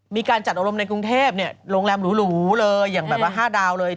มีการจัดอารมณ์ในกรุงเทพโรงแรมหรูเลยอย่างแบบว่า๕ดาวเลย